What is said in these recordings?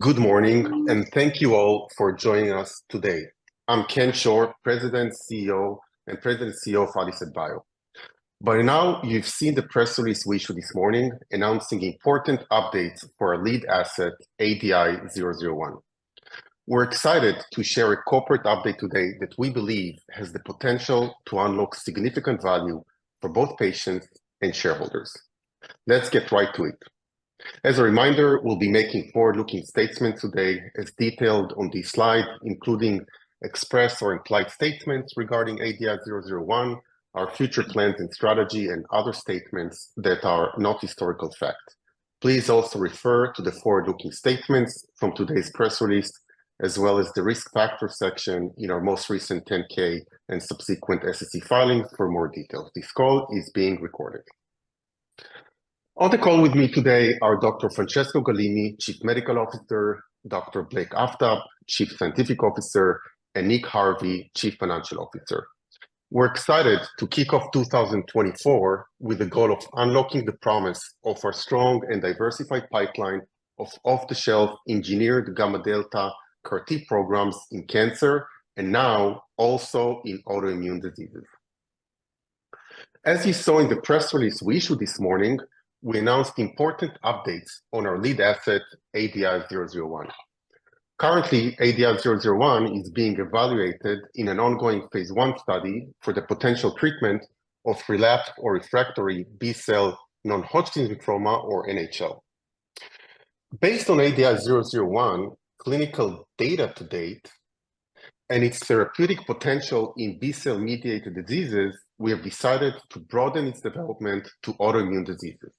Good morning, and thank you all for joining us today. I'm Chen Schor, President and CEO of Adicet Bio. By now, you've seen the press release we issued this morning, announcing important updates for our lead asset, ADI-001. We're excited to share a corporate update today that we believe has the potential to unlock significant value for both patients and shareholders. Let's get right to it. As a reminder, we'll be making forward-looking statements today as detailed on this slide, including express or implied statements regarding ADI-001, our future plans and strategy, and other statements that are not historical fact. Please also refer to the forward-looking statements from today's press release, as well as the risk factor section in our most recent 10-K and subsequent SEC filings for more details. This call is being recorded. On the call with me today are Dr. Francesco Galimi, Chief Medical Officer, Dr. Blake Aftab, Chief Scientific Officer, and Nick Harvey, Chief Financial Officer. We're excited to kick off 2024 with the goal of unlocking the promise of our strong and diversified pipeline of off-the-shelf engineered gamma delta CAR-T programs in cancer, and now also in autoimmune diseases. As you saw in the press release we issued this morning, we announced important updates on our lead asset, ADI-001. Currently, ADI-001 is being evaluated in an ongoing phase I study for the potential treatment of relapsed or refractory B-cell non-Hodgkin's lymphoma or NHL. Based on ADI-001, clinical data to date and its therapeutic potential in B-cell mediated diseases, we have decided to broaden its development to autoimmune diseases.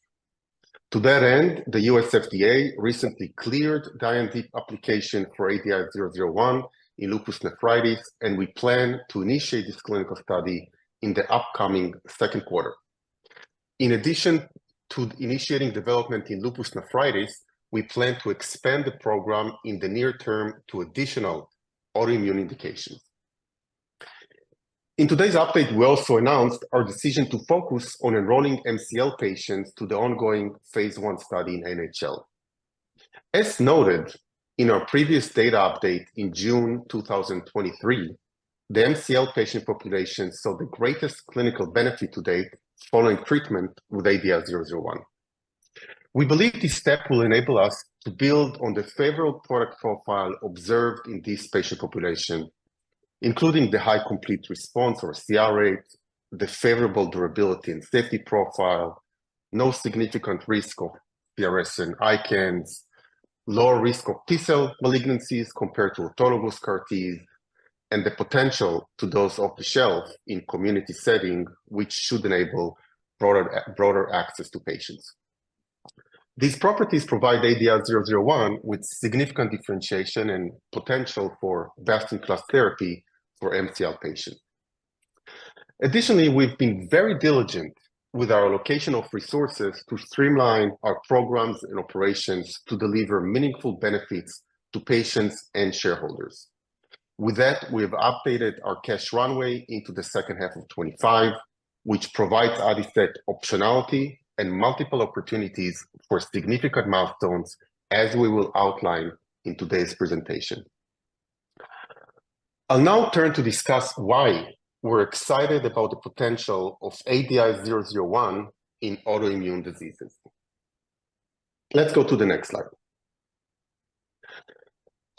To that end, the US FDA recently cleared the IND application for ADI-001 in Lupus Nephritis, and we plan to initiate this clinical study in the upcoming second quarter. In addition to initiating development in Lupus Nephritis, we plan to expand the program in the near term to additional autoimmune indications. In today's update, we also announced our decision to focus on enrolling MCL patients to the ongoing phase I study in NHL. As noted in our previous data update in June 2023, the MCL patient population saw the greatest clinical benefit to date following treatment with ADI-001. We believe this step will enable us to build on the favorable product profile observed in this patient population, including the high complete response or CR rate, the favorable durability and safety profile, no significant risk of CRS and ICANS, lower risk of T-cell malignancies compared to autologous CAR-T, and the potential to dose off-the-shelf in community setting, which should enable broader, broader access to patients. These properties provide ADI-001 with significant differentiation and potential for best-in-class therapy for MCL patients. Additionally, we've been very diligent with our allocation of resources to streamline our programs and operations to deliver meaningful benefits to patients and shareholders. With that, we have updated our cash runway into the second half of 2025, which provides Adicet optionality and multiple opportunities for significant milestones, as we will outline in today's presentation. I'll now turn to discuss why we're excited about the potential of ADI-001 in autoimmune diseases. Let's go to the next slide.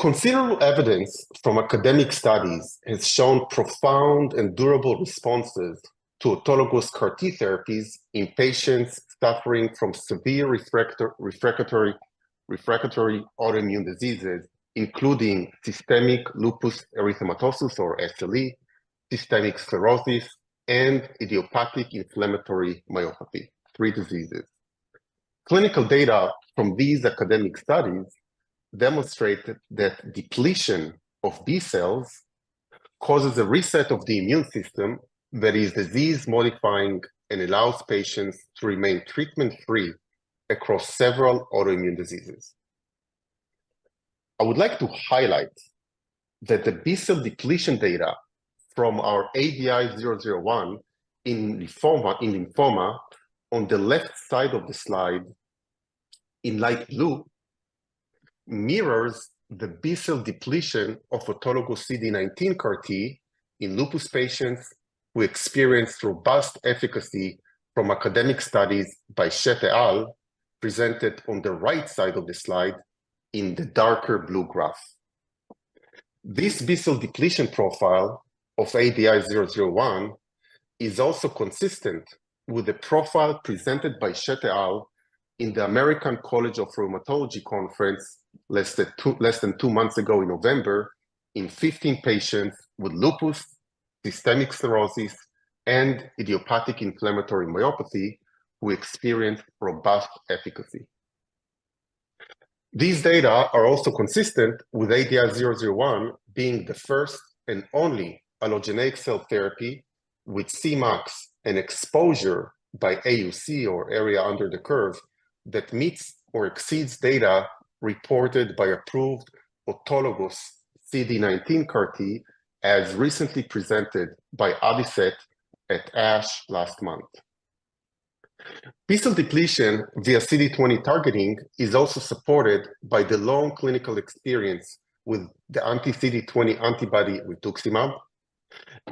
Considerable evidence from academic studies has shown profound and durable responses to autologous CAR-T therapies in patients suffering from severe refractory autoimmune diseases, including systemic lupus erythematosus, or SLE, systemic sclerosis, and idiopathic inflammatory myopathy. 3 diseases. Clinical data from these academic studies demonstrated that depletion of B-cells causes a reset of the immune system that is disease-modifying and allows patients to remain treatment-free across several autoimmune diseases. I would like to highlight that the B-cell depletion data from our ADI-001 in lymphoma, in lymphoma, on the left side of the slide in light blue, mirrors the B-cell depletion of autologous CD19 CAR-T in lupus patients who experienced robust efficacy from academic studies by Schett et al., presented on the right side of the slide in the darker blue graph. This B-cell depletion profile of ADI-001 is also consistent with the profile presented by Schett et al. in the American College of Rheumatology conference, less than two, less than two months ago in November, in 15 patients with lupus, systemic sclerosis, and idiopathic inflammatory myopathy who experienced robust efficacy. These data are also consistent with ADI-001 being the first and only allogeneic cell therapy with Cmax and exposure by AUC, or area under the curve, that meets or exceeds data reported by approved autologous CD19 CAR-T, as recently presented by Adicet at ASH last month. B-cell depletion via CD20 targeting is also supported by the long clinical experience with the anti-CD20 antibody rituximab,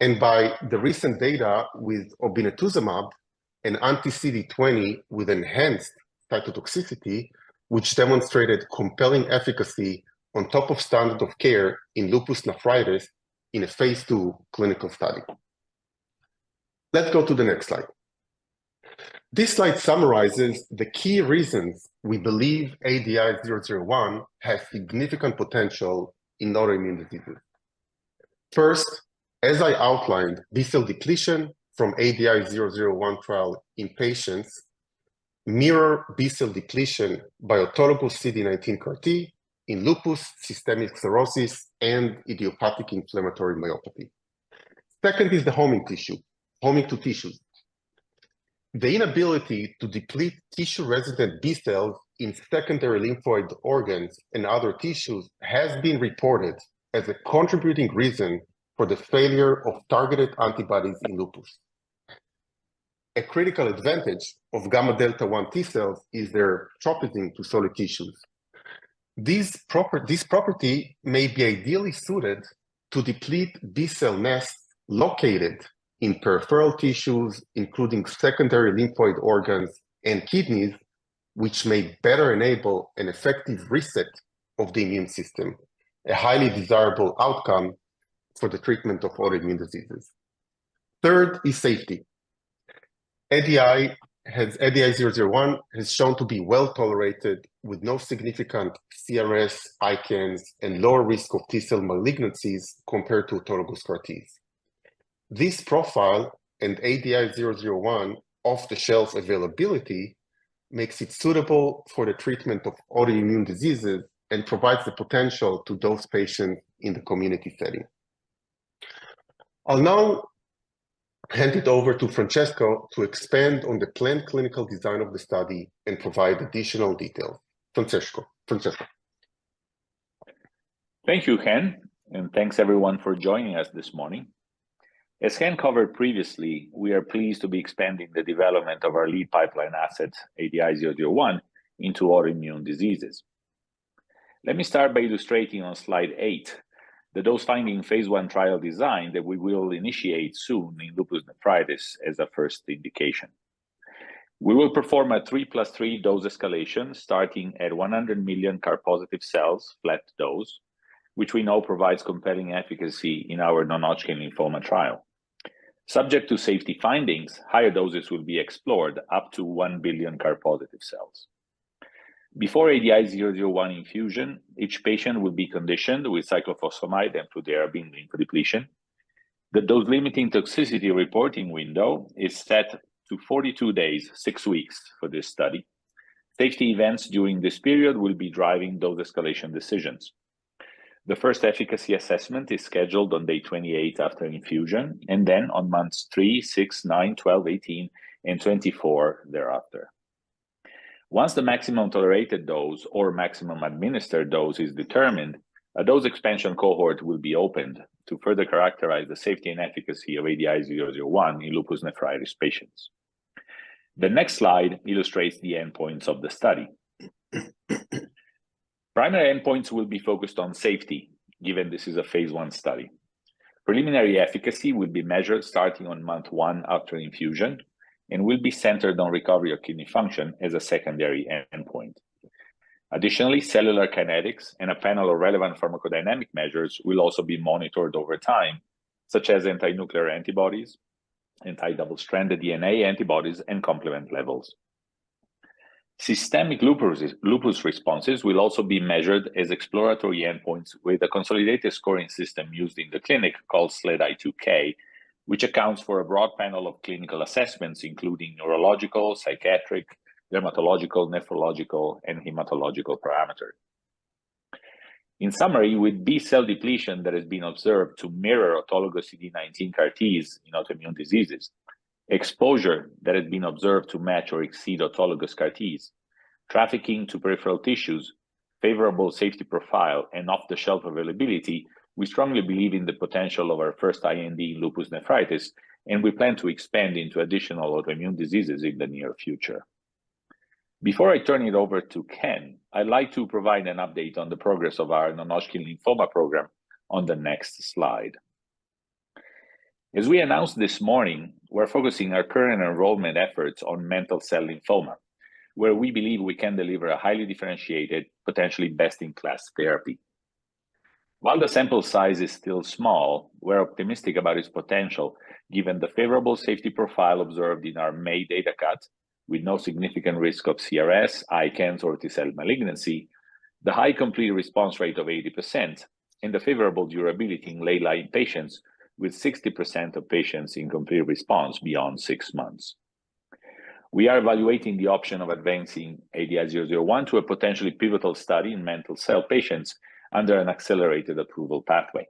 and by the recent data with obinutuzumab, an anti-CD20 with enhanced cytotoxicity, which demonstrated compelling efficacy on top of standard of care in lupus nephritis in a phase II clinical study. Let's go to the next slide. This slide summarizes the key reasons we believe ADI-001 has significant potential in autoimmune diseases. First, as I outlined, B-cell depletion from ADI-001 trial in patients mirror B-cell depletion by autologous CD19 CAR-T in lupus, systemic sclerosis, and idiopathic inflammatory myopathy. Second is the homing tissue, homing to tissues. The inability to deplete tissue-resident B-cells in secondary lymphoid organs and other tissues has been reported as a contributing reason for the failure of targeted antibodies in lupus. A critical advantage of gamma delta 1 T-cells is their tropism to solid tissues. This property may be ideally suited to deplete B-cell mass located in peripheral tissues, including secondary lymphoid organs and kidneys, which may better enable an effective reset of the immune system, a highly desirable outcome for the treatment of autoimmune diseases. Third is safety. ADI-001 has shown to be well-tolerated, with no significant CRS, ICANS, and lower risk of T-cell malignancies compared to autologous CAR-Ts. This profile, and ADI-001 off-the-shelf availability, makes it suitable for the treatment of autoimmune diseases and provides the potential to dose patients in the community setting. I'll now hand it over to Francesco to expand on the planned clinical design of the study and provide additional detail. Francesco. Francesco? Thank you, Chen, and thanks, everyone, for joining us this morning. As Chen covered previously, we are pleased to be expanding the development of our lead pipeline asset, ADI-001, into autoimmune diseases. Let me start by illustrating on slide 8 the dose-finding phase I trial design that we will initiate soon in lupus nephritis as a first indication. We will perform a 3 + 3 dose escalation, starting at 100 million CAR-positive cells, flat dose, which we know provides compelling efficacy in our Non-Hodgkin's Lymphoma trial. Subject to safety findings, higher doses will be explored, up to 1 billion CAR-positive cells. Before ADI-001 infusion, each patient will be conditioned with cyclophosphamide and fludarabine lymphodepletion. The dose-limiting toxicity reporting window is set to 42 days, six weeks, for this study. Safety events during this period will be driving dose escalation decisions. The first efficacy assessment is scheduled on day 28 after infusion, and then on months three, six, nine, 12, 18, and 24 thereafter. Once the maximum tolerated dose or maximum administered dose is determined, a dose expansion cohort will be opened to further characterize the safety and efficacy of ADI-001 in Lupus Nephritis patients. The next slide illustrates the endpoints of the study. Primary endpoints will be focused on safety, given this is a phase I study. Preliminary efficacy will be measured starting on month one after infusion and will be centered on recovery of kidney function as a secondary endpoint. Additionally, cellular kinetics and a panel of relevant pharmacodynamic measures will also be monitored over time, such as anti-nuclear antibodies, anti-double-stranded DNA antibodies, and complement levels. Systemic lupus, lupus responses will also be measured as exploratory endpoints with a consolidated scoring system used in the clinic called SLEDAI-2K, which accounts for a broad panel of clinical assessments, including neurological, psychiatric, dermatological, nephrological, and hematological parameters. In summary, with B-cell depletion that has been observed to mirror autologous CD19 CAR-Ts in autoimmune diseases, exposure that has been observed to match or exceed autologous CAR-Ts, trafficking to peripheral tissues, favorable safety profile, and off-the-shelf availability, we strongly believe in the potential of our first IND in lupus nephritis, and we plan to expand into additional autoimmune diseases in the near future. Before I turn it over to Chen, I'd like to provide an update on the progress of our non-Hodgkin's lymphoma program on the next slide. As we announced this morning, we're focusing our current enrollment efforts on mantle cell lymphoma, where we believe we can deliver a highly differentiated, potentially best-in-class therapy. While the sample size is still small, we're optimistic about its potential, given the favorable safety profile observed in our May data cut, with no significant risk of CRS, ICANS, or T-cell malignancy, the high complete response rate of 80%, and the favorable durability in late-line patients, with 60% of patients in complete response beyond six months. We are evaluating the option of advancing ADI-001 to a potentially pivotal study in mantle cell patients under an accelerated approval pathway.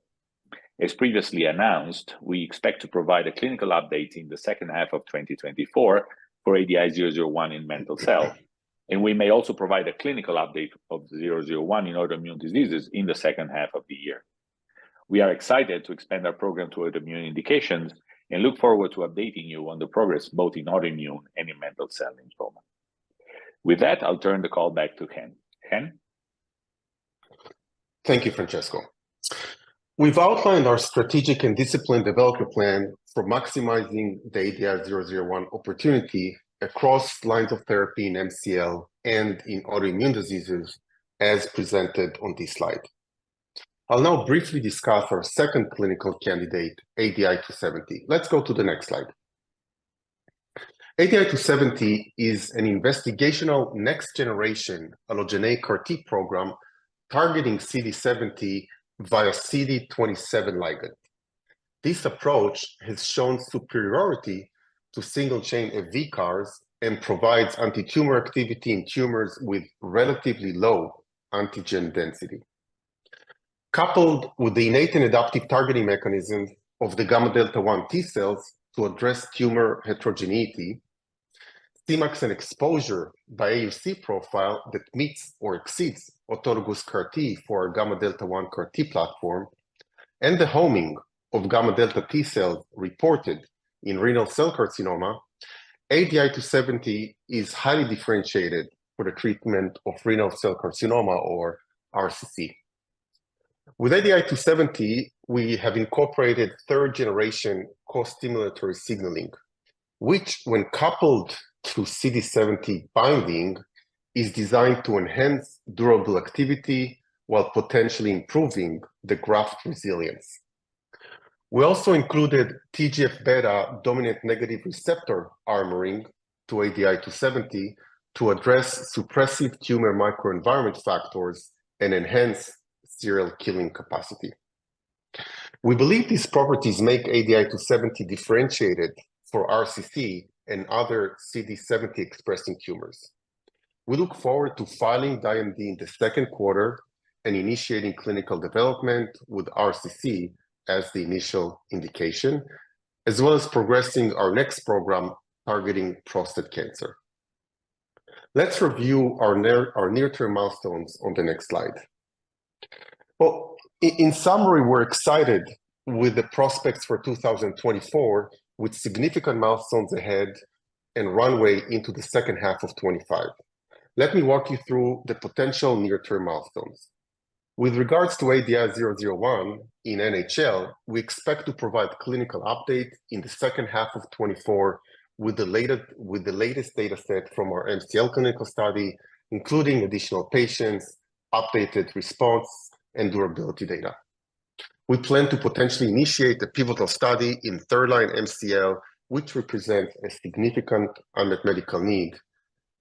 As previously announced, we expect to provide a clinical update in the second half of 2024 for ADI-001 in Mantle Cell, and we may also provide a clinical update of ADI-001 in autoimmune diseases in the second half of the year... We are excited to expand our program to autoimmune indications, and look forward to updating you on the progress, both in autoimmune and in Mantle Cell Lymphoma. With that, I'll turn the call back to Chen. Chen? Thank you, Francesco. We've outlined our strategic and disciplined development plan for maximizing the ADI-001 opportunity across lines of therapy in MCL and in autoimmune diseases, as presented on this slide. I'll now briefly discuss our second clinical candidate, ADI-270. Let's go to the next slide. ADI-270 is an investigational next generation allogeneic CAR-T program targeting CD70 via CD27 ligand. This approach has shown superiority to single chain F- CARs, and provides anti-tumor activity in tumors with relatively low antigen density. Coupled with the innate and adaptive targeting mechanism of the gamma delta one T-cells to address tumor heterogeneity, Cmax and exposure by AUC profile that meets or exceeds autologous CAR-T for our gamma delta one CAR-T platform, and the homing of gamma delta T-cells reported in renal cell carcinoma, ADI-270 is highly differentiated for the treatment of renal cell carcinoma, or RCC. With ADI-270, we have incorporated third generation costimulatory signaling, which, when coupled to CD70 binding, is designed to enhance durable activity while potentially improving the graft resilience. We also included TGF-beta dominant negative receptor armoring to ADI-270 to address suppressive tumor microenvironment factors and enhance serial killing capacity. We believe these properties make ADI-270 differentiated for RCC and other CD70-expressing tumors. We look forward to filing the IND in the second quarter and initiating clinical development with RCC as the initial indication, as well as progressing our next program targeting prostate cancer. Let's review our near-term milestones on the next slide. Well, in summary, we're excited with the prospects for 2024, with significant milestones ahead and runway into the second half of 2025. Let me walk you through the potential near-term milestones. With regards to ADI-001 in NHL, we expect to provide clinical update in the second half of 2024, with the latest, with the latest data set from our MCL clinical study, including additional patients, updated response, and durability data. We plan to potentially initiate the pivotal study in third line MCL, which represents a significant unmet medical need,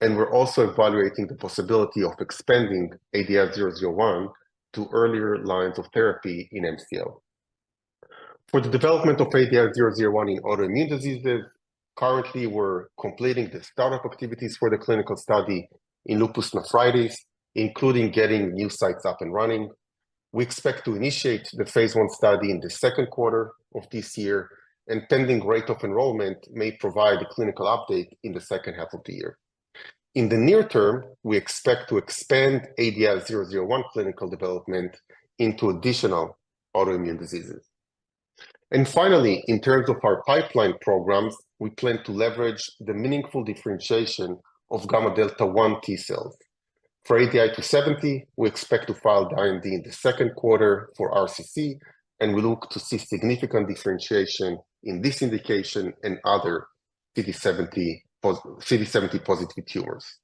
and we're also evaluating the possibility of expanding ADI-001 to earlier lines of therapy in MCL. For the development of ADI-001 in autoimmune diseases, currently, we're completing the startup activities for the clinical study in lupus nephritis, including getting new sites up and running. We expect to initiate the phase 1 study in the second quarter of this year, and pending rate of enrollment, may provide a clinical update in the second half of the year. In the near term, we expect to expand ADI-001 clinical development into additional autoimmune diseases. Finally, in terms of our pipeline programs, we plan to leverage the meaningful differentiation of gamma delta 1 T cells. For ADI-270, we expect to file IND in the second quarter for RCC, and we look to see significant differentiation in this indication and other CD70 positive tumors.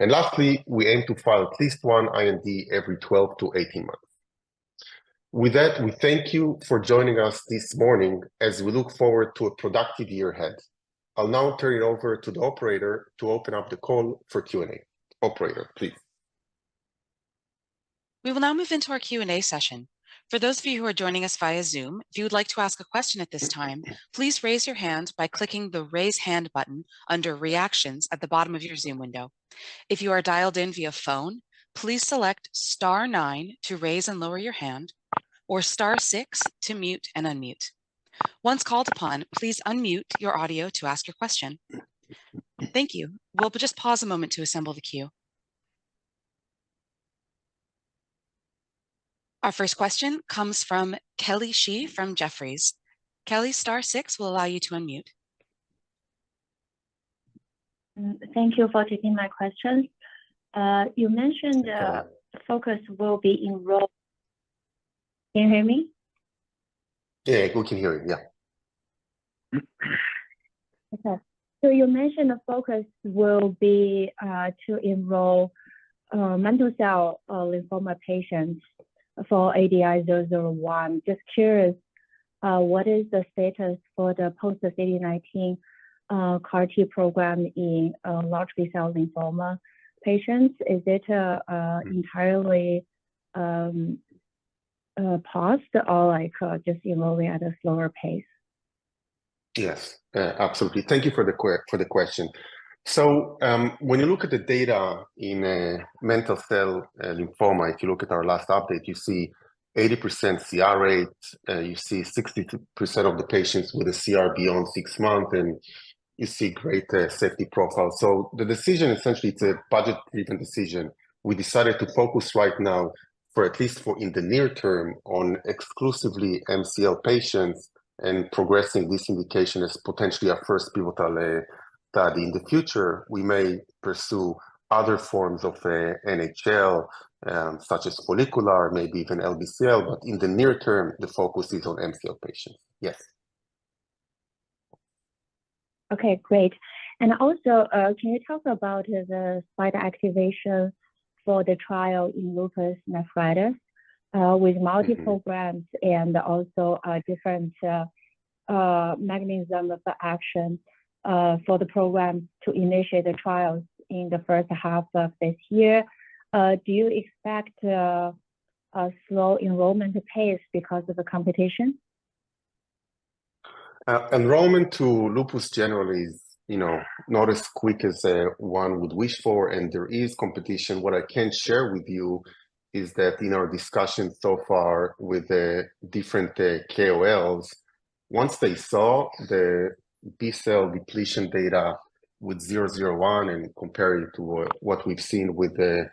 Lastly, we aim to file at least one IND every 12-18 months. With that, we thank you for joining us this morning, as we look forward to a productive year ahead. I'll now turn it over to the operator to open up the call for Q&A. Operator, please. We will now move into our Q&A session. For those of you who are joining us via Zoom, if you would like to ask a question at this time, please raise your hand by clicking the Raise Hand button under Reactions at the bottom of your Zoom window. If you are dialed in via phone, please select star nine to raise and lower your hand, or star six to mute and unmute. Once called upon, please unmute your audio to ask your question. Thank you. We'll just pause a moment to assemble the queue. Our first question comes from Kelly Shi from Jefferies. Kelly, star six will allow you to unmute. Thank you for taking my questions. You mentioned, focus will be enro... Can you hear me? Yeah, we can hear you. Yeah. Okay. So you mentioned the focus will be to enroll mantle cell lymphoma patients for ADI-001. Just curious, what is the status for the post-CD19 CAR-T program in large B-cell lymphoma patients? Is it entirely paused or, like, just evolving at a slower pace? Yes, absolutely. Thank you for the question. So, when you look at the data in a Mantle Cell Lymphoma, if you look at our last update, you see 80% CR rate, you see 62% of the patients with a CR beyond six months, and you see great, safety profile. So the decision, essentially, it's a budget-driven decision. We decided to focus right now for at least for in the near term, on exclusively MCL patients and progressing this indication as potentially our first pivotal, study. In the future, we may pursue other forms of, NHL, such as follicular, maybe even LBCL, but in the near term, the focus is on MCL patients. Yes. Okay, great. And also, can you talk about the site activation for the trial in lupus nephritis with multiple grants and also different mechanism of action for the program to initiate the trials in the first half of this year? Do you expect a slow enrollment pace because of the competition? Enrollment to lupus generally is, you know, not as quick as one would wish for, and there is competition. What I can share with you is that in our discussions so far with the different KOLs, once they saw the B-cell depletion data with ADI-001 and comparing it to what we've seen with the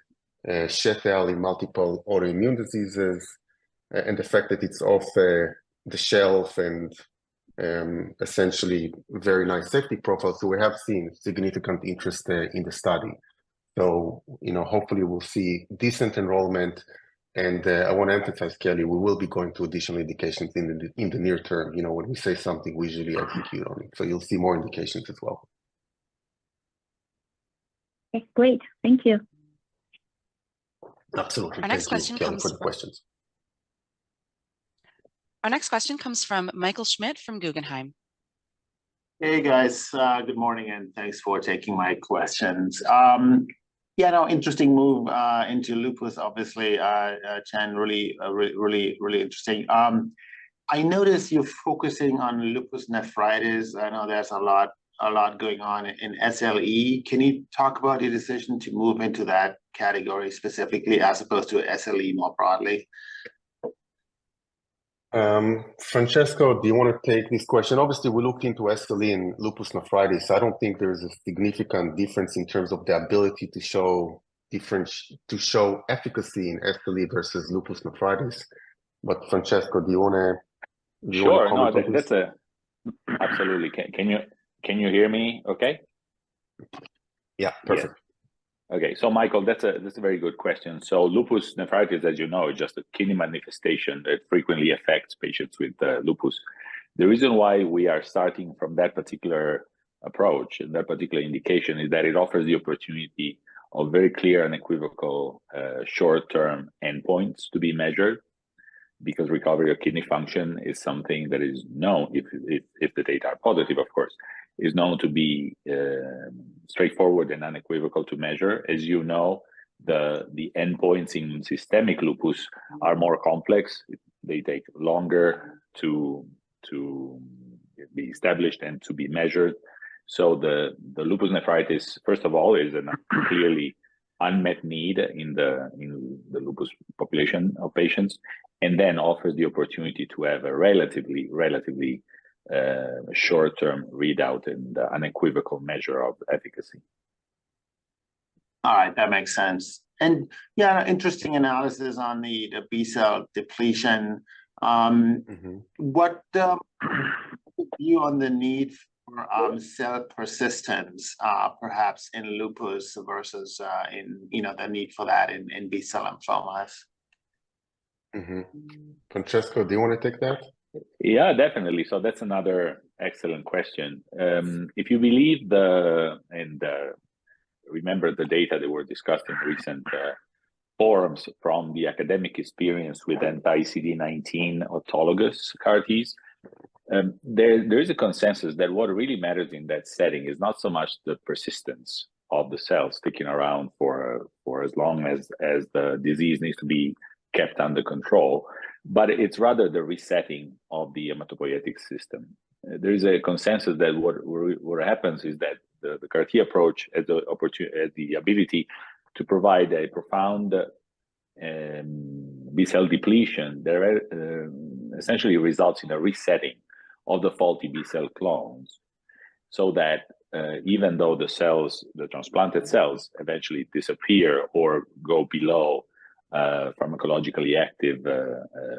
Schett in multiple autoimmune diseases, and the fact that it's off the shelf and essentially very nice safety profile. So we have seen significant interest in the study. So, you know, hopefully we'll see decent enrollment, and I want to emphasize, Kelly, we will be going to additional indications in the near term. You know, when we say something, we usually execute on it, so you'll see more indications as well. Okay, great. Thank you. Absolutely- Our next question comes- Thank you for the questions. Our next question comes from Michael Schmidt, from Guggenheim. Hey, guys. Good morning, and thanks for taking my questions. Yeah, no, interesting move into lupus, obviously, Chen, really, really interesting. I noticed you're focusing on lupus nephritis. I know there's a lot, a lot going on in SLE. Can you talk about your decision to move into that category specifically, as opposed to SLE more broadly? Francesco, do you want to take this question? Obviously, we're looking to SLE and lupus nephritis. I don't think there is a significant difference in terms of the ability to show difference - to show efficacy in SLE versus lupus nephritis. But Francesco, do you wanna- Sure. Do you wanna comment on this? No. Absolutely. Can you hear me okay? Yeah. Perfect. Okay. So Michael, that's a very good question. So lupus nephritis, as you know, is just a kidney manifestation that frequently affects patients with lupus. The reason why we are starting from that particular approach and that particular indication is that it offers the opportunity of very clear and unequivocal short-term endpoints to be measured, because recovery of kidney function is something that is known, if the data are positive, of course, to be straightforward and unequivocal to measure. As you know, the endpoints in systemic lupus are more complex. They take longer to be established and to be measured. So the Lupus Nephritis, first of all, is a clearly unmet need in the lupus population of patients, and then offers the opportunity to have a relatively short-term readout and unequivocal measure of efficacy. All right, that makes sense. And yeah, interesting analysis on the, the B-cell depletion. Mm-hmm. What you on the need for cell persistence, perhaps in lupus versus in, you know, the need for that in B-cell lymphomas? Mm-hmm. Francesco, do you want to take that? Yeah, definitely. So that's another excellent question. If you believe and remember the data that were discussed in recent forums from the academic experience with anti-CD19 autologous CAR-Ts, there is a consensus that what really matters in that setting is not so much the persistence of the cells sticking around for as long as the disease needs to be kept under control, but it's rather the resetting of the hematopoietic system. There is a consensus that what happens is that the CAR-T approach has the ability to provide a profound B-cell depletion that essentially results in a resetting of the faulty B-cell clones. So that even though the cells, the transplanted cells eventually disappear or go below pharmacologically active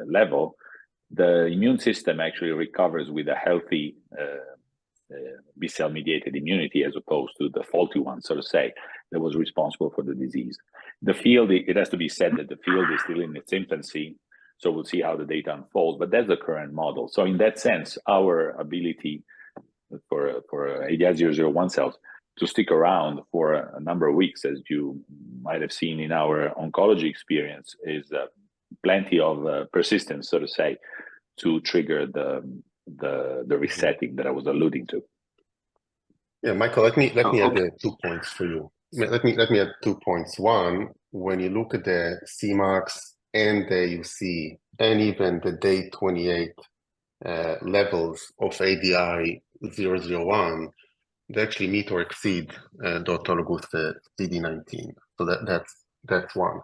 level, the immune system actually recovers with a healthy B-cell mediated immunity, as opposed to the faulty one, so to say, that was responsible for the disease. The field, it has to be said that the field is still in its infancy, so we'll see how the data unfolds, but that's the current model. So in that sense, our ability for ADI-001 cells to stick around for a number of weeks, as you might have seen in our oncology experience, is plenty of persistence, so to say, to trigger the resetting that I was alluding to. Yeah, Michael, let me- Uh, okay. Let me add two points for you. Let me add two points. One, when you look at the Cmax and the AUC, and even the day 28 levels of ADI-001, they actually meet or exceed the autologous CD19. So that's one.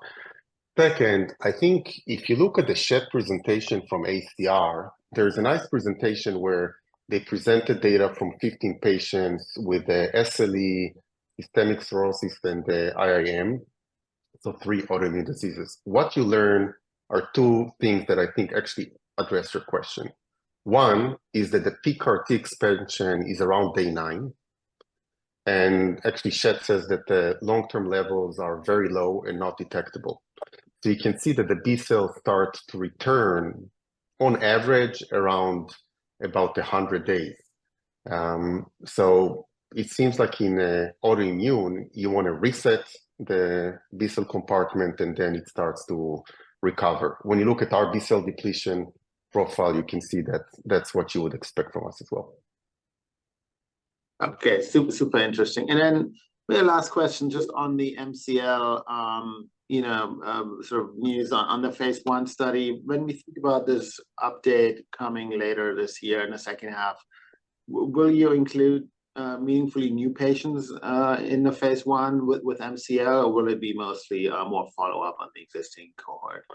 Second, I think if you look at the Schett presentation from ACR, there's a nice presentation where they presented data from 15 patients with SLE, systemic sclerosis, and IAM, so three autoimmune diseases. What you learn are two things that I think actually address your question. One is that the peak CAR-T expansion is around day nine, and actually, Schett says that the long-term levels are very low and not detectable. So you can see that the B-cell starts to return on average around about 100 days. So it seems like in autoimmune, you want to reset the B-cell compartment, and then it starts to recover. When you look at our B-cell depletion profile, you can see that that's what you would expect from us as well. Okay. Super, super interesting. And then the last question, just on the MCL, you know, sort of news on the phase one study. When we think about this update coming later this year in the second half, will you include meaningfully new patients in the phase one with MCL, or will it be mostly more follow-up on the existing cohort?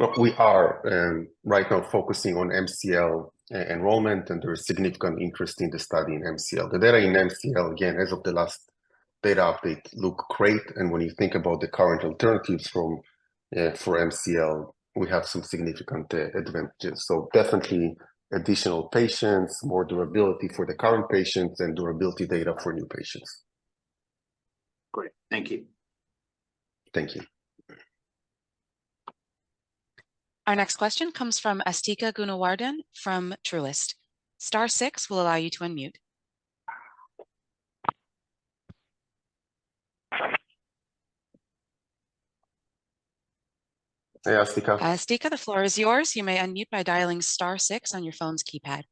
Look, we are right now focusing on MCL enrollment, and there is significant interest in the study in MCL. The data in MCL, again, as of the last data update, look great, and when you think about the current alternatives for MCL, we have some significant advantages. So definitely additional patients, more durability for the current patients, and durability data for new patients. Great. Thank you. Thank you. Our next question comes from Asthika Goonewardene from Truist. Star six will allow you to unmute. Hey, Astika. Asthika, the floor is yours. You may unmute by dialing star six on your phone's keypad.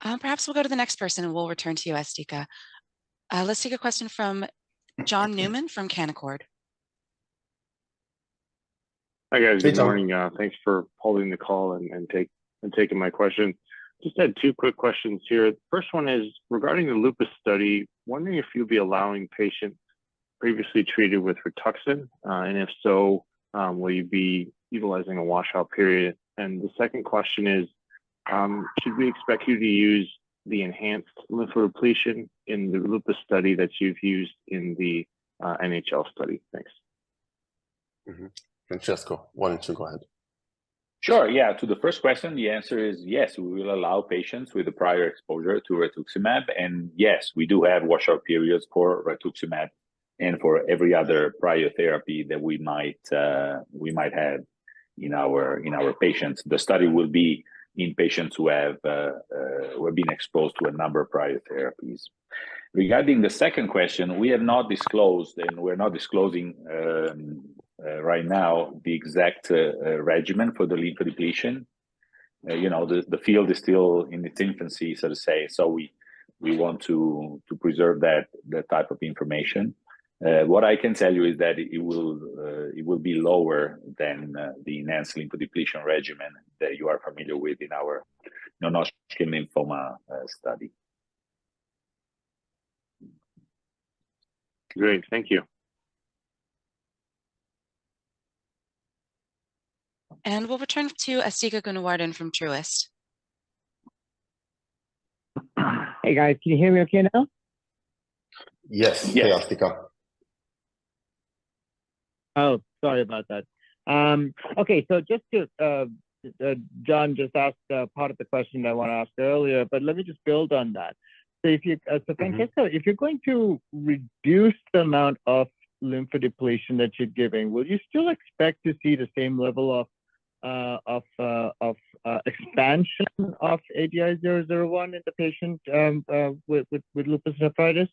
Perhaps we'll go to the next person, and we'll return to you, Asthika. Let's take a question from John Newman from Canaccord. Hi, guys. Hey, John. Good morning. Thanks for holding the call and taking my question. Just had two quick questions here. The first one is regarding the lupus study, wondering if you'll be allowing patients previously treated with Rituxan, and if so, will you be utilizing a washout period? And the second question is, should we expect you to use the enhanced lymphodepletion in the lupus study that you've used in the NHL study? Thanks. Mm-hmm. Francesco, why don't you go ahead? Sure, yeah. To the first question, the answer is yes, we will allow patients with a prior exposure to Rituximab, and yes, we do have washout periods for Rituximab and for every other prior therapy that we might have in our patients. The study will be in patients who have been exposed to a number of prior therapies. Regarding the second question, we have not disclosed, and we're not disclosing, right now the exact regimen for the lymphodepletion. You know, the field is still in its infancy, so to say, so we want to preserve that type of information. What I can tell you is that it will be lower than the enhanced lymphodepletion regimen that you are familiar with in our non-Hodgkin lymphoma study. Great. Thank you. We'll return to Asthika Goonewardene from Truist. Hey, guys. Can you hear me okay now? Yes. Yes. Hey, Astika. Oh, sorry about that. Okay, so just to, John just asked part of the question I wanna ask earlier, but let me just build on that. So if you, so Francesco- Mm-hmm... if you're going to reduce the amount of lymphodepletion that you're giving, would you still expect to see the same level of expansion of ADI-001 in the patient with lupus nephritis?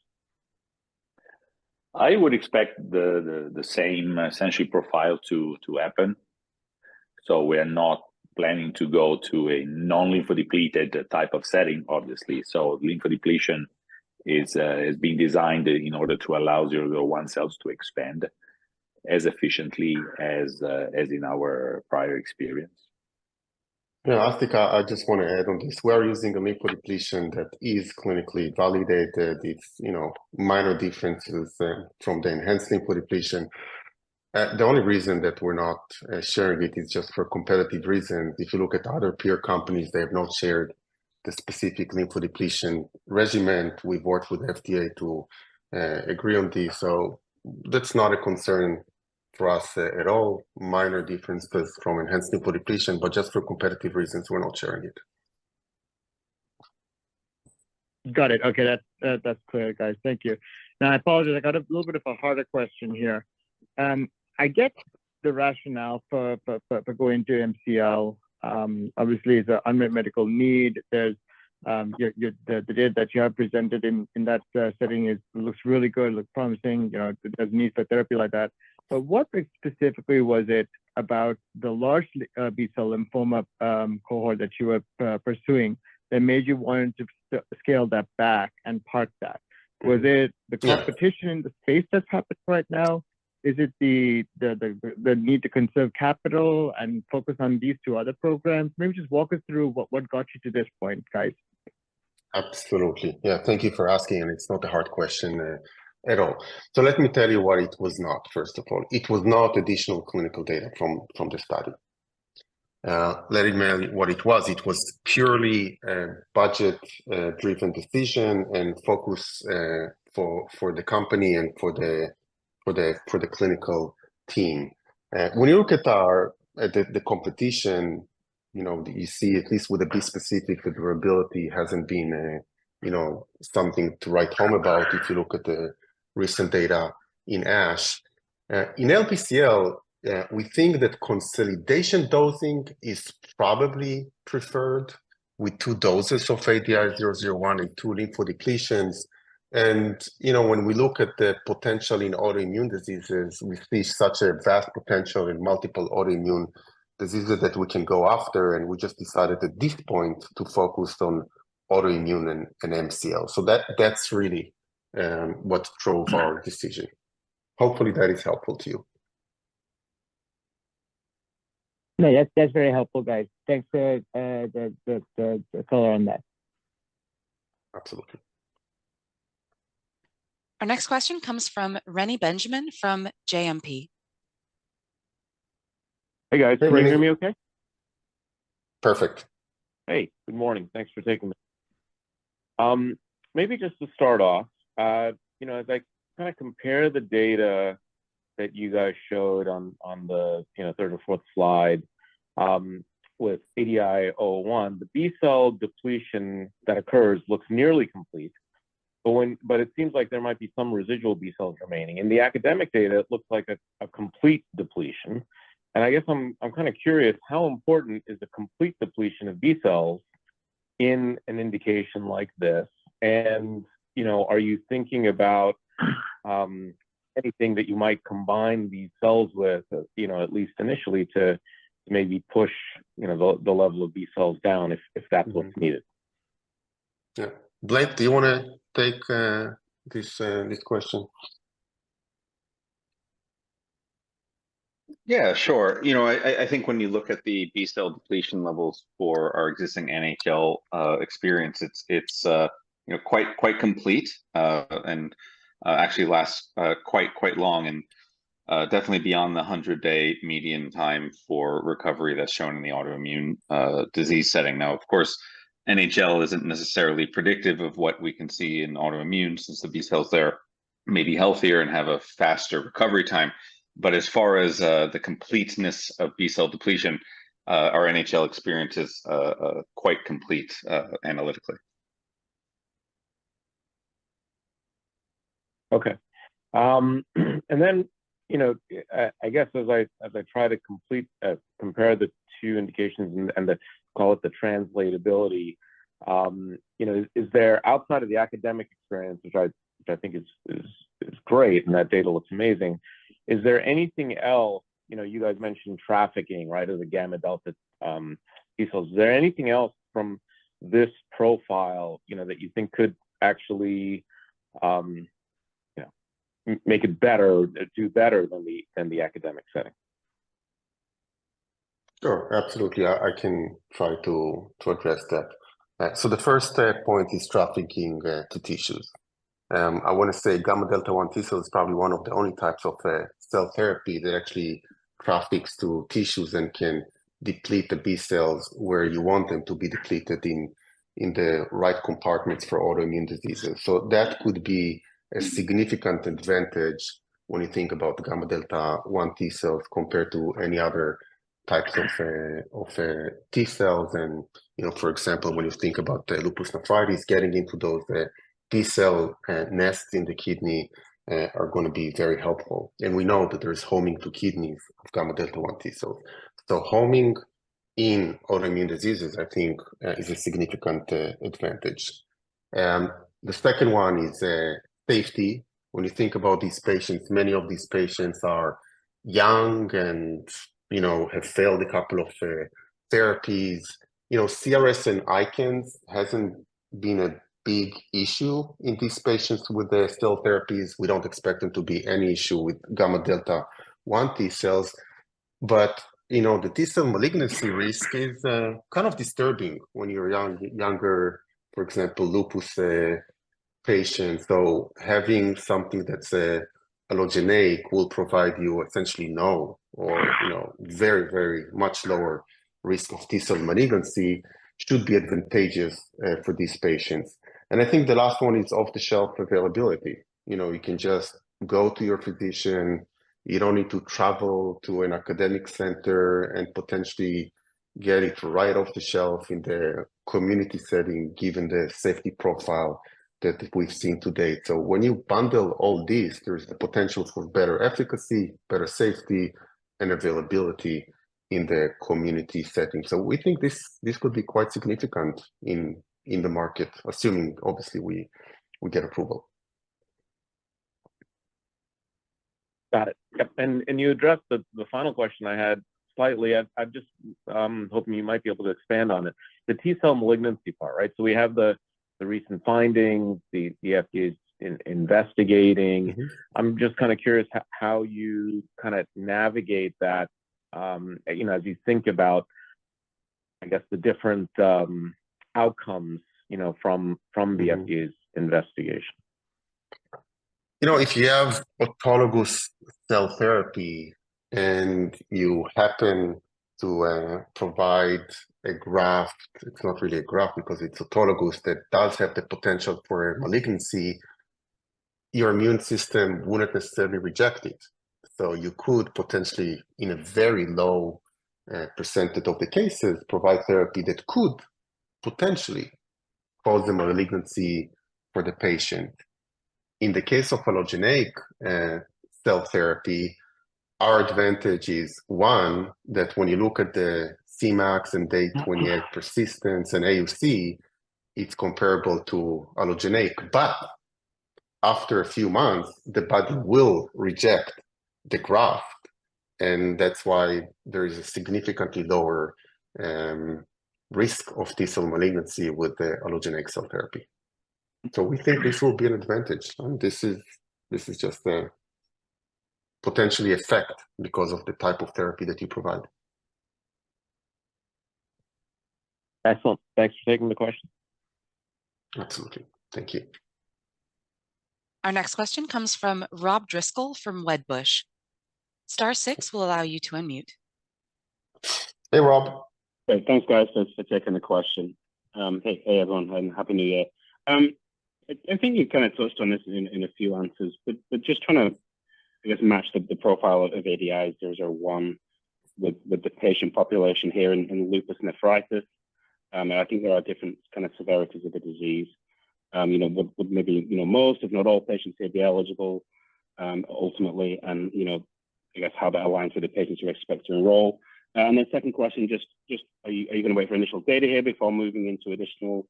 I would expect the same essentially profile to happen. So we're not planning to go to a non-lymphodepleted type of setting, obviously. So lymphodepletion is being designed in order to allow 001 cells to expand as efficiently as as in our prior experience. Yeah, Asthika, I just want to add on this. We are using a lymphodepletion that is clinically validated. It's, you know, minor differences from the enhanced lymphodepletion. The only reason that we're not sharing it is just for competitive reasons. If you look at other peer companies, they have not shared the specific lymphodepletion regimen. We've worked with FDA to agree on this, so that's not a concern for us at all. Minor difference but from enhanced lymphodepletion, but just for competitive reasons, we're not sharing it. Got it. Okay, that's clear, guys. Thank you. Now, I apologize, I got a little bit of a harder question here. I get the rationale for going to MCL. Obviously, it's an unmet medical need. There's your data that you have presented in that setting is-- looks really good, looks promising. You know, it has needs for therapy like that. But what specifically was it about the large B-cell lymphoma cohort that you were pursuing, that made you want to scale that back and park that? Was it the competition in the space that's happened right now? Is it the need to conserve capital and focus on these two other programs? Maybe just walk us through what got you to this point, guys. Absolutely. Yeah, thank you for asking, and it's not a hard question at all. So let me tell you what it was not, first of all. It was not additional clinical data from the study. Let me tell you what it was. It was purely a budget driven decision and focus for the company and for the clinical team. When you look at our competition, you know, you see at least with the B-cell specific, durability hasn't been a, you know, something to write home about if you look at the recent data in ASH. In LBCL, we think that consolidation dosing is probably preferred with 2 doses of ADI-001 and 2 lymphodepletion. And, you know, when we look at the potential in autoimmune diseases, we see such a vast potential in multiple autoimmune diseases that we can go after, and we just decided at this point to focus on autoimmune and MCL. So that's really what drove our decision. Hopefully, that is helpful to you. Yeah, that's very helpful, guys. Thanks for the color on that. Absolutely. Our next question comes from Reni Benjamin, from JMP. Hey, guys. Hey. Can you hear me okay? Perfect. Hey, good morning. Thanks for taking me. Maybe just to start off, you know, as I kinda compare the data that you guys showed on, on the, you know, third or fourth slide, with ADI-001, the B-cell depletion that occurs looks nearly complete, but it seems like there might be some residual B-cells remaining. In the academic data, it looks like a complete depletion, and I guess I'm kinda curious, how important is the complete depletion of B-cells in an indication like this? And, you know, are you thinking about anything that you might combine B-cells with, you know, at least initially, to maybe push, you know, the level of B-cells down if that's what's needed? Yeah. Blake, do you wanna take, this, this question? Yeah, sure. You know, I think when you look at the B-cell depletion levels for our existing NHL experience, it's you know, quite complete, and actually lasts quite long and definitely beyond the 100-day median time for recovery that's shown in the autoimmune disease setting. Now, of course, NHL isn't necessarily predictive of what we can see in autoimmune, since the B-cells there may be healthier and have a faster recovery time. But as far as the completeness of B-cell depletion, our NHL experience is quite complete, analytically. Okay. And then, you know, I guess as I try to complete, compare the two indications and the, call it the translatability, you know, is there outside of the academic experience, which I think is great, and that data looks amazing, is there anything else? You know, you guys mentioned trafficking, right, of the gamma delta T-cells. Is there anything else from this profile, you know, that you think could actually make it better or do better than the academic setting? Sure, absolutely. I can try to address that. So the first point is trafficking to tissues. I wanna say gamma delta 1 T cell is probably one of the only types of cell therapy that actually traffics to tissues and can deplete the B-cells where you want them to be depleted in the right compartments for autoimmune diseases. So that could be a significant advantage when you think about gamma delta 1 T cells compared to any other types of T cells. And, you know, for example, when you think about Lupus Nephritis, getting into those T cell nests in the kidney are gonna be very helpful. And we know that there is homing to kidneys of gamma delta 1 T cells. So homing in autoimmune diseases, I think, is a significant advantage. The second one is safety. When you think about these patients, many of these patients are young and, you know, have failed a couple of therapies. You know, CRS and ICANS hasn't been a big issue in these patients with their cell therapies. We don't expect them to be any issue with gamma delta 1 T cells. But, you know, the T-cell malignancy risk is kind of disturbing when you're young, younger, for example, lupus patients. So having something that's allogeneic will provide you essentially no, or, you know, very, very much lower risk of T-cell malignancy should be advantageous for these patients. And I think the last one is off-the-shelf availability. You know, you can just go to your physician. You don't need to travel to an academic center and potentially get it right off the shelf in the community setting, given the safety profile that we've seen to date. So when you bundle all this, there is the potential for better efficacy, better safety, and availability in the community setting. So we think this could be quite significant in the market, assuming, obviously, we get approval.... Got it. Yep, and you addressed the final question I had slightly. I'm just hoping you might be able to expand on it. The T-cell malignancy part, right? So we have the recent findings, the FDA is investigating. Mm-hmm. I'm just kind of curious how you kind of navigate that, you know, as you think about, I guess, the different outcomes, you know, from the- Mm-hmm... FDA's investigation. You know, if you have autologous cell therapy, and you happen to provide a graft, it's not really a graft because it's autologous that does have the potential for malignancy, your immune system wouldn't necessarily reject it. So you could potentially, in a very low percentage of the cases, provide therapy that could potentially cause a malignancy for the patient. In the case of allogeneic cell therapy, our advantage is, one, that when you look at the Cmax and day 28- Mm-hmm... persistence and AUC, it's comparable to allogeneic. But after a few months, the body will reject the graft, and that's why there is a significantly lower, risk of T-cell malignancy with the allogeneic cell therapy. Mm-hmm. We think this will be an advantage, and this is just a potential effect because of the type of therapy that you provide. Excellent. Thanks for taking the question. Absolutely. Thank you. Our next question comes from Rob Driscoll from Wedbush. Star six will allow you to unmute. Hey, Rob. Hey, thanks, guys, for taking the question. Hey, everyone, and Happy New Year. I think you kind of touched on this in a few answers, but just trying to, I guess, match the profile of ADI-001 with the patient population here in lupus nephritis. I think there are different kind of severities of the disease. You know, would maybe most, if not all patients here be eligible ultimately, and you know, I guess how that aligns with the patients you expect to enroll? And then second question, just are you going to wait for initial data here before moving into additional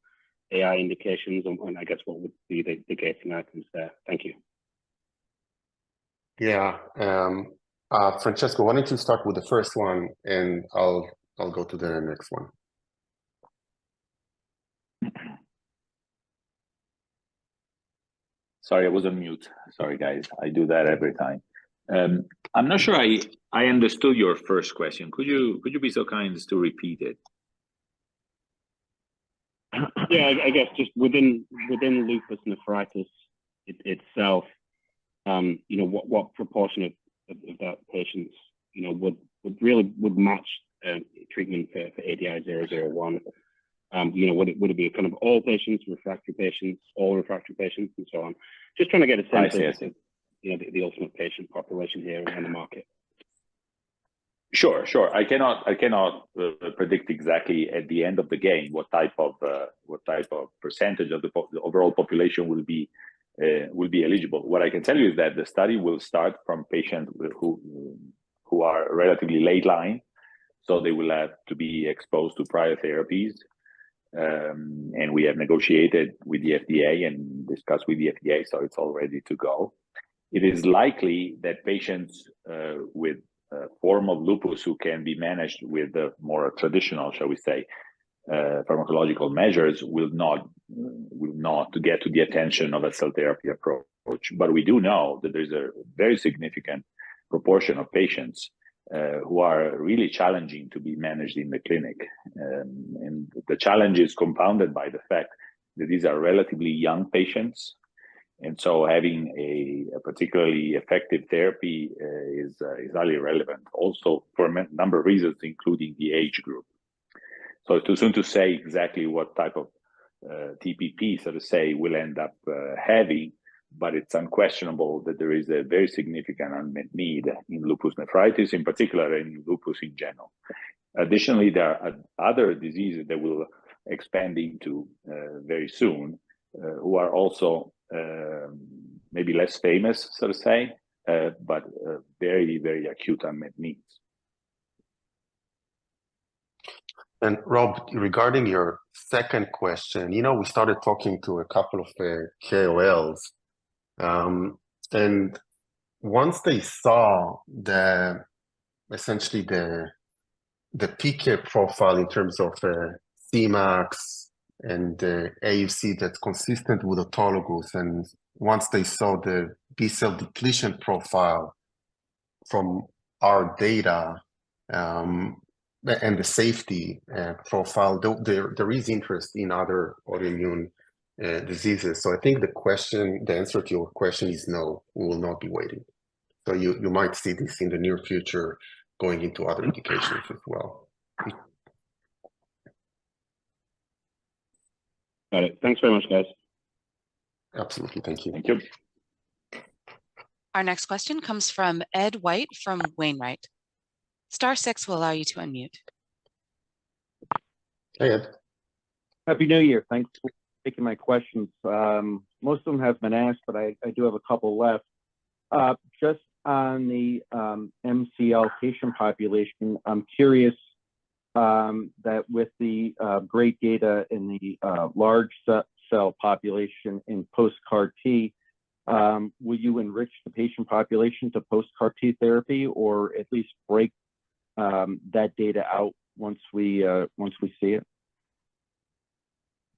AI indications, and I guess what would be the gating outcomes there? Thank you. Yeah. Francesco, why don't you start with the first one, and I'll go to the next one? Sorry, I was on mute. Sorry, guys, I do that every time. I'm not sure I understood your first question. Could you be so kind as to repeat it? Yeah, I guess just within lupus nephritis itself, you know, what proportion of those patients, you know, would really match a treatment for ADI-001? You know, would it be kind of all patients, refractory patients, all refractory patients, and so on? Just trying to get a sense- I see... you know, the ultimate patient population here in the market. Sure, sure. I cannot predict exactly at the end of the game what type of percentage of the overall population will be eligible. What I can tell you is that the study will start from patients who are relatively late-line, so they will have to be exposed to prior therapies. We have negotiated with the FDA and discussed with the FDA, so it's all ready to go. It is likely that patients with a form of lupus who can be managed with a more traditional, shall we say, pharmacological measures will not get to the attention of a cell therapy approach. But we do know that there's a very significant proportion of patients who are really challenging to be managed in the clinic. And the challenge is compounded by the fact that these are relatively young patients, and so having a particularly effective therapy is highly relevant. Also, for a number of reasons, including the age group. So too soon to say exactly what type of TPP, so to say, will end up heavy, but it's unquestionable that there is a very significant unmet need in Lupus Nephritis in particular, in lupus in general. Additionally, there are other diseases that we'll expand into very soon who are also maybe less famous, so to say, but very, very acute unmet needs. And Rob, regarding your second question, you know, we started talking to a couple of the KOLs, and once they saw essentially the PK profile in terms of the Cmax and the AUC that's consistent with autologous, and once they saw the B-cell depletion profile from our data, and the safety profile, there is interest in other autoimmune diseases. So I think the question, the answer to your question is no, we will not be waiting. So you might see this in the near future going into other indications as well. Got it. Thanks very much, guys. Absolutely. Thank you. Thank you. Our next question comes from Ed White from Wainwright. Star six will allow you to unmute. Hey, Ed. Happy New Year! Thanks for taking my questions. Most of them have been asked, but I do have a couple left. Just on the MCL patient population, I'm curious-... that with the great data in the large cell population in post CAR-T, will you enrich the patient population to post CAR-T therapy or at least break that data out once we see it?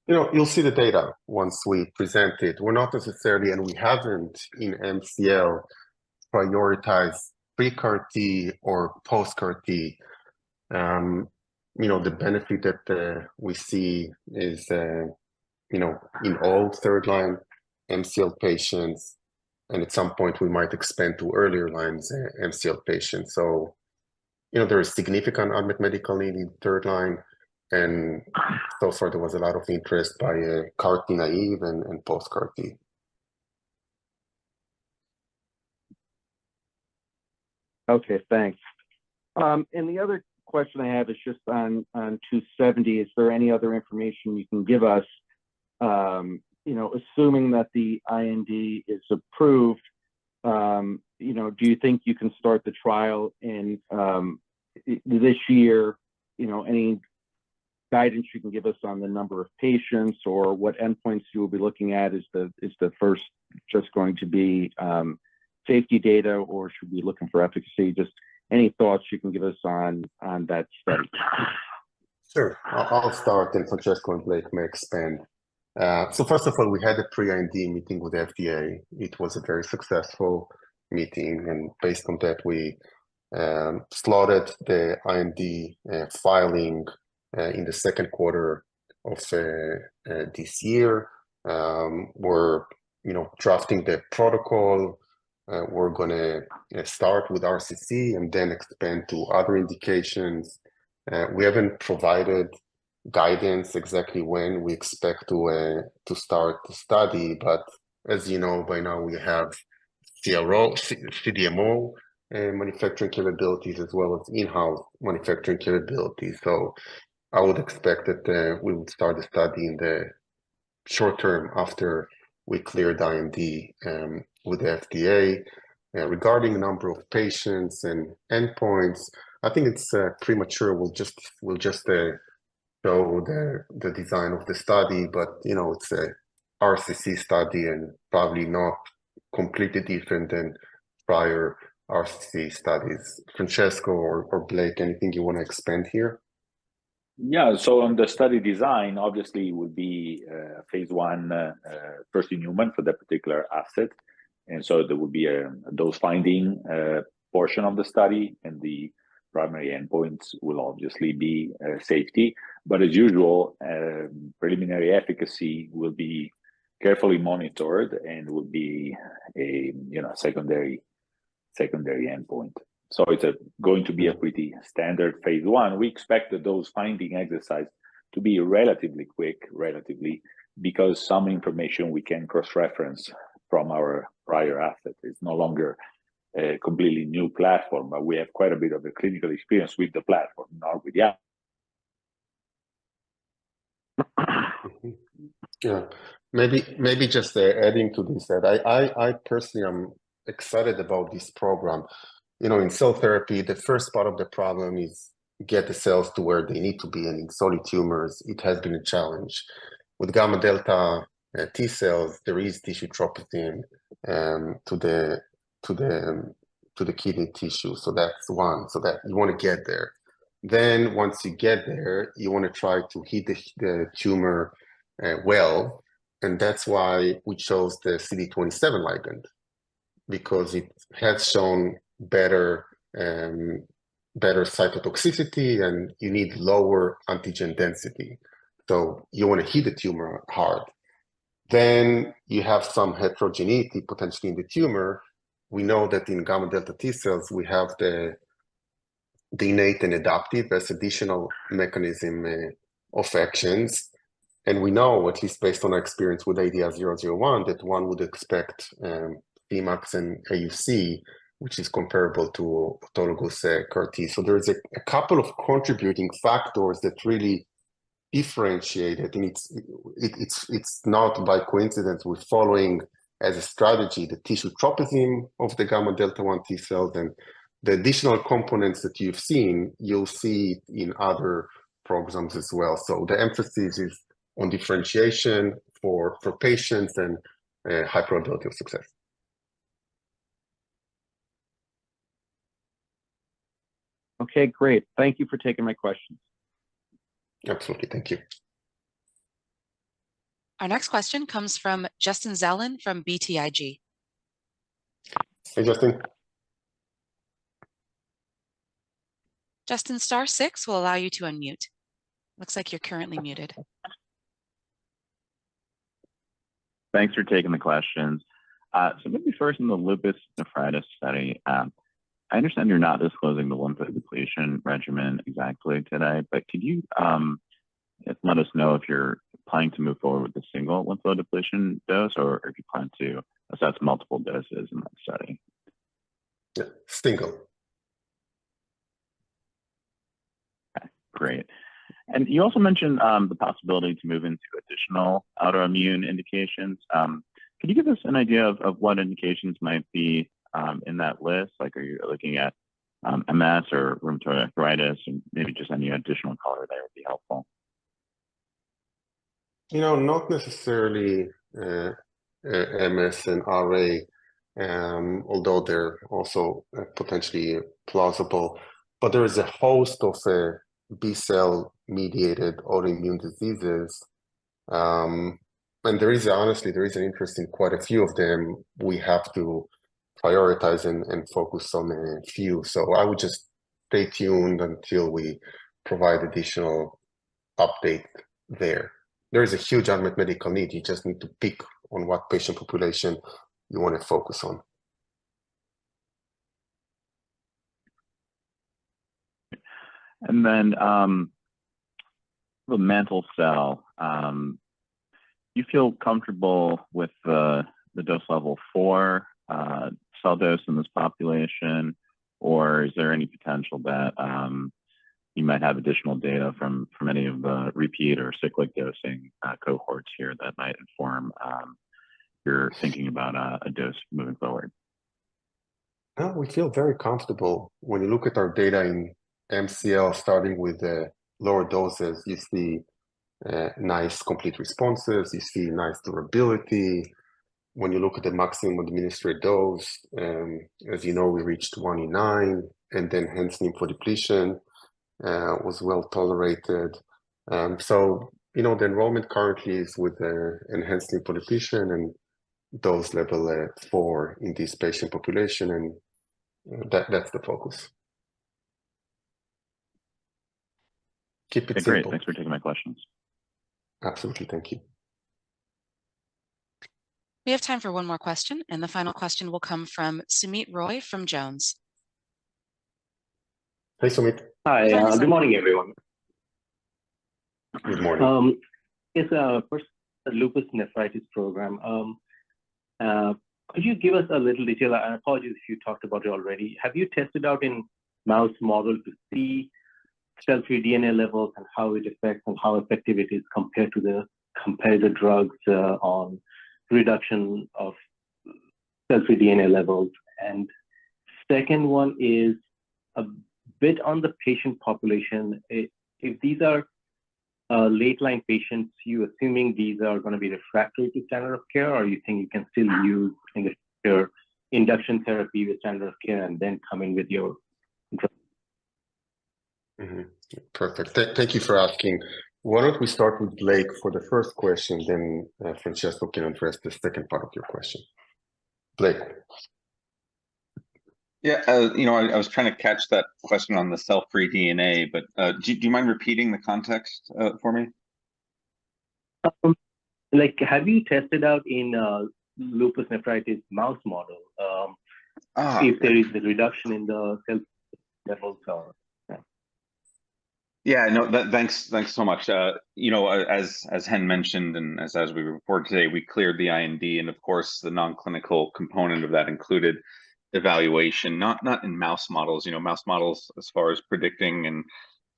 You know, you'll see the data once we present it. We're not necessarily, and we haven't in MCL, prioritized pre-CAR T or post-CAR T. You know, the benefit that, we see is, you know, in all third line MCL patients, and at some point we might expand to earlier lines MCL patients. So, you know, there is significant unmet medical need in third line, and so far there was a lot of interest by, CAR T naive and, and post-CAR T. Okay, thanks. And the other question I have is just on 270, is there any other information you can give us? You know, assuming that the IND is approved, you know, do you think you can start the trial in this year? You know, any guidance you can give us on the number of patients or what endpoints you will be looking at? Is the first just going to be safety data, or should we be looking for efficacy? Just any thoughts you can give us on that study. Sure. I'll start, and Francesco and Blake may expand. So first of all, we had a pre-IND meeting with the FDA. It was a very successful meeting, and based on that, we slotted the IND filing in the second quarter of this year. We're, you know, drafting the protocol. We're gonna start with RCC and then expand to other indications. We haven't provided guidance exactly when we expect to start the study, but as you know, by now, we have CRO-- CDMO manufacturing capabilities as well as in-house manufacturing capabilities. So I would expect that we would start the study in the short term after we cleared IND with the FDA. Regarding the number of patients and endpoints, I think it's premature. We'll just show the design of the study, but you know, it's a RCC study and probably not completely different than prior RCC studies. Francesco or Blake, anything you want to expand here? Yeah. So on the study design, obviously, it would be phase one, first in human for that particular asset. And so there would be a dose-finding portion of the study, and the primary endpoints will obviously be safety. But as usual, preliminary efficacy will be carefully monitored and will be a, you know, secondary, secondary endpoint. So it's going to be a pretty standard phase one. We expect that those dose-finding exercise to be relatively quick, relatively, because some information we can cross-reference from our prior asset. It's no longer a completely new platform, but we have quite a bit of clinical experience with the platform, not with the app. Yeah. Maybe, maybe just adding to this, that I, I, I personally am excited about this program. You know, in cell therapy, the first part of the problem is get the cells to where they need to be, and in solid tumors, it has been a challenge. With gamma delta T cells, there is tissue tropism to the kidney tissue. So that's one. So that you wanna get there. Then once you get there, you wanna try to hit the tumor, well, and that's why we chose the CD27 ligand because it has shown better, better cytotoxicity, and you need lower antigen density. So you wanna hit the tumor hard. Then you have some heterogeneity, potentially in the tumor. We know that in gamma delta T cells, we have the innate and adaptive as additional mechanism of actions, and we know, at least based on our experience with ADI-001, that one would expect Cmax and AUC, which is comparable to autologous CAR T. So there is a couple of contributing factors that really differentiate it, and it's not by coincidence. We're following as a strategy, the tissue tropism of the gamma delta 1 T cell, then the additional components that you've seen, you'll see in other programs as well. So the emphasis is on differentiation for patients and high probability of success. Okay, great. Thank you for taking my questions. Absolutely. Thank you. Our next question comes from Justin Zelin from BTIG. Hey, Justin. Justin, star six will allow you to unmute. Looks like you're currently muted. Thanks for taking the questions. So maybe first in the Lupus Nephritis study, I understand you're not disclosing the lymphodepletion regimen exactly today, but could you just let us know if you're planning to move forward with a single lymphodepletion dose or if you plan to assess multiple doses in that study? Yeah, single. Okay, great... And you also mentioned the possibility to move into additional autoimmune indications. Could you give us an idea of what indications might be in that list? Like, are you looking at MS or rheumatoid arthritis, and maybe just any additional color there would be helpful. You know, not necessarily MS and RA, although they're also potentially plausible, but there is a host of B-cell-mediated autoimmune diseases. Honestly, there is an interest in quite a few of them. We have to prioritize and focus on a few. So I would just stay tuned until we provide additional update there. There is a huge unmet medical need. You just need to pick on what patient population you wanna focus on. The mantle cell, do you feel comfortable with the dose level for cell dose in this population? Or is there any potential that you might have additional data from any of the repeat or cyclic dosing cohorts here that might inform your thinking about a dose moving forward? We feel very comfortable. When you look at our data in MCL, starting with the lower doses, you see nice complete responses, you see nice durability. When you look at the maximum administered dose, as you know, we reached 29, and then hence lymphodepletion was well tolerated. So, you know, the enrollment currently is with a enhanced lymphodepletion and dose level 4 in this patient population, and that, that's the focus. Keep it simple. Great. Thanks for taking my questions. Absolutely. Thank you. We have time for one more question, and the final question will come from Soumit Roy from Jones. Hey, Sumit. Hi. Good morning, everyone. Good morning. Yes, first, the lupus nephritis program. Could you give us a little detail? I apologize if you talked about it already. Have you tested out in mouse model to see cell-free DNA levels and how it affects or how effective it is compared to the comparative drugs on reduction of cell-free DNA levels? And second one is a bit on the patient population. If these are late-line patients, you assuming these are gonna be the refractory standard of care, or you think you can still use your induction therapy with standard of care and then come in with your Mm-hmm. Perfect. Thank you for asking. Why don't we start with Blake for the first question, then, Francesco can address the second part of your question. Blake? Yeah, you know, I was trying to catch that question on the cell-free DNA, but do you mind repeating the context for me? Like, have you tested out in lupus nephritis mouse model? Ah, okay... if there is a reduction in the cell levels or... Yeah. Yeah, no, thanks, thanks so much. You know, as Chen mentioned, and as we reported today, we cleared the IND, and of course, the non-clinical component of that included evaluation, not in mouse models. You know, mouse models, as far as predicting and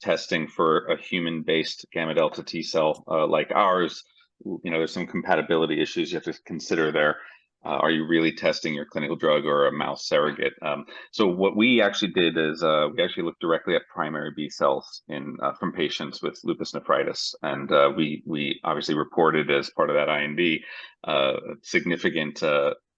testing for a human-based gamma delta T cell, like ours, you know, there's some compatibility issues you have to consider there. Are you really testing your clinical drug or a mouse surrogate? So what we actually did is, we actually looked directly at primary B cells from patients with lupus nephritis. And we obviously reported as part of that IND, significant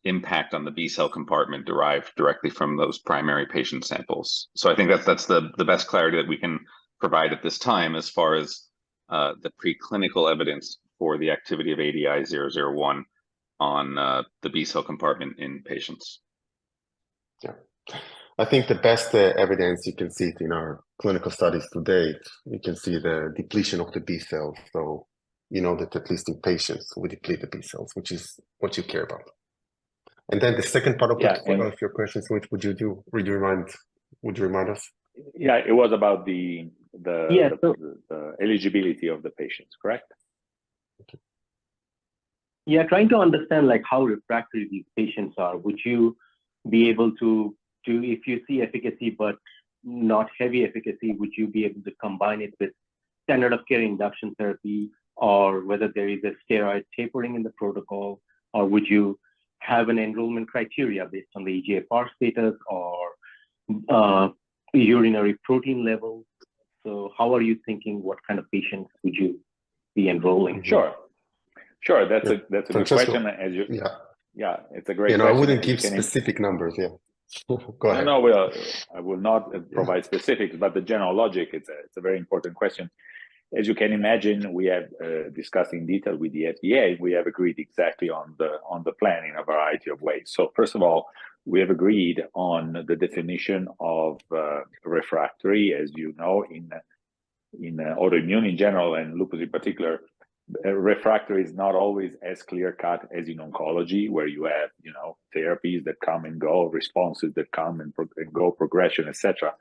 impact on the B-cell compartment derived directly from those primary patient samples. So I think that's the best clarity that we can provide at this time, as far as the preclinical evidence for the activity of ADI-001 on the B-cell compartment in patients. Yeah. I think the best evidence, you can see it in our clinical studies to date, you can see the depletion of the B cells. So you know that at least in patients, we deplete the B cells, which is what you care about. And then the second part of the- Yeah, and- One of your questions, which would you do? Would you remind us? Yeah, it was about the. Yeah, the-... the eligibility of the patients, correct? Yeah, trying to understand, like, how refractory these patients are. Would you be able to... If you see efficacy but not heavy efficacy, would you be able to combine it with standard of care induction therapy, or whether there is a steroid tapering in the protocol, or would you have an enrollment criteria based on the eGFR status or urinary protein level? So how are you thinking? What kind of patients would you be enrolling? Sure. Sure, that's a, that's a good question- Francesco... as you- Yeah. Yeah, it's a great question. You know, I wouldn't give specific numbers, yeah. Go ahead. No, no, well, I will not provide specifics- Yeah... but the general logic, it's a very important question. As you can imagine, we have discussed in detail with the FDA. We have agreed exactly on the plan in a variety of ways. So first of all, we have agreed on the definition of refractory. As you know, in autoimmune in general and lupus in particular, refractory is not always as clear-cut as in oncology, where you have, you know, therapies that come and go, responses that come and go, progression, et cetera.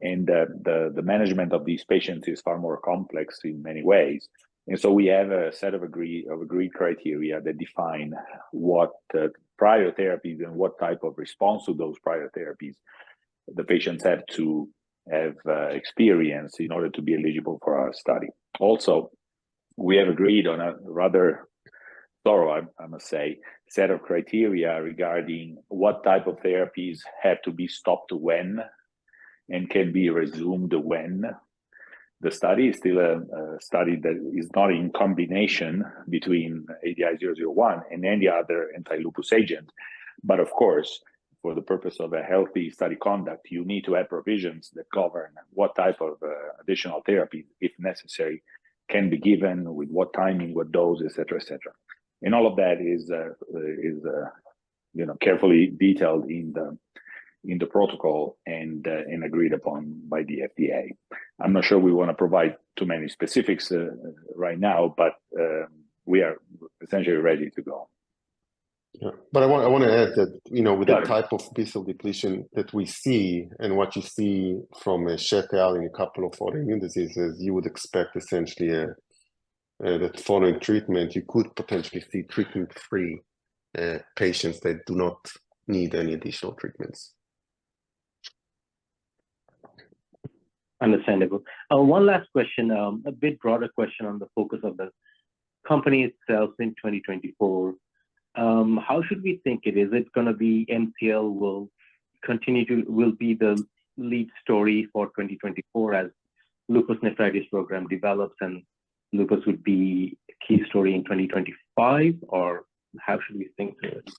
The management of these patients is far more complex in many ways. So we have a set of agreed criteria that define what prior therapies and what type of response to those prior therapies the patients have to have experienced in order to be eligible for our study. Also, we have agreed on a rather- ...thorough, I must say, set of criteria regarding what type of therapies have to be stopped when, and can be resumed when. The study is still a study that is not in combination between ADI-001 and any other anti-lupus agent. But of course, for the purpose of a healthy study conduct, you need to have provisions that govern what type of additional therapy, if necessary, can be given, with what timing, what dose, et cetera, et cetera. And all of that is, you know, carefully detailed in the protocol and agreed upon by the FDA. I'm not sure we wanna provide too many specifics right now, but we are essentially ready to go. Yeah. But I want, I wanna add that, you know, with- Yeah... the type of B-cell depletion that we see and what you see from a check out in a couple of autoimmune diseases, you would expect essentially that following treatment, you could potentially see treatment-free patients that do not need any additional treatments. Understandable. One last question, a bit broader question on the focus of the company itself in 2024. How should we think it? Is it gonna be MCL will continue to... will be the lead story for 2024 as Lupus Nephritis program develops, and lupus would be a key story in 2025, or how should we think of it?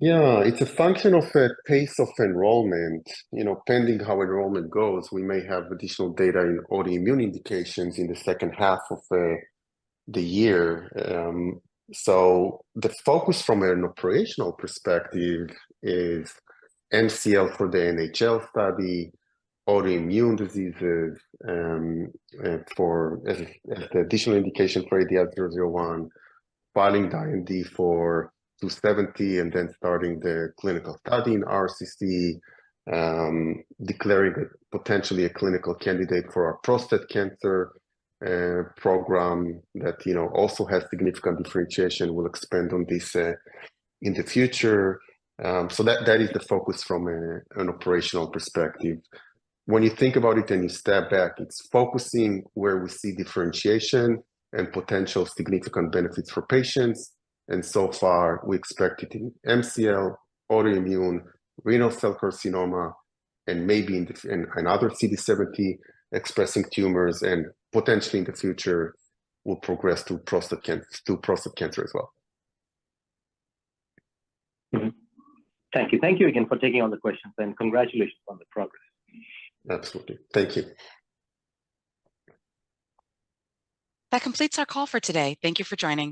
Yeah. It's a function of the pace of enrollment. You know, pending how enrollment goes, we may have additional data in autoimmune indications in the second half of the year. So the focus from an operational perspective is MCL for the NHL study, autoimmune diseases, and for the additional indication for ADI-001, filing the IND for ADI-270, and then starting the clinical study in RCC, declaring it potentially a clinical candidate for our prostate cancer program that, you know, also has significant differentiation. We'll expand on this in the future. So that is the focus from an operational perspective. When you think about it and you step back, it's focusing where we see differentiation and potential significant benefits for patients, and so far, we expect it in MCL, autoimmune, Renal Cell Carcinoma, and maybe in this, in another CD70-expressing tumors, and potentially in the future, will progress to prostate cancer, to prostate cancer as well. Mm-hmm. Thank you. Thank you again for taking all the questions, and congratulations on the progress. Absolutely. Thank you. That completes our call for today. Thank you for joining.